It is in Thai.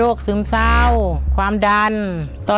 คนที่สองชื่อน้องก็เอาหลานมาให้ป้าวันเลี้ยงสองคน